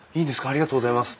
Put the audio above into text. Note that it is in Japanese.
ありがとうございます！